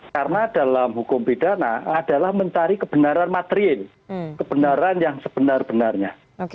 karena dalam hukum pidana adalah mencari kebenaran materi kebenaran yang sebenar benarnya